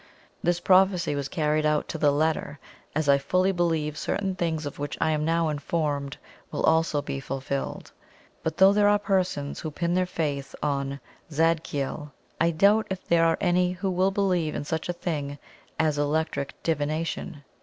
This prophecy was carried out to the letter, as I fully believe certain things of which I am now informed will also be fulfilled. But though there are persons who pin their faith on "Zadkiel," I doubt if there are any who will believe in such a thing as ELECTRIC DIVINATION.